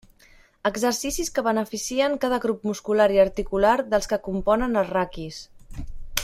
Exercicis que beneficien cada grup muscular i articular dels que componen el raquis.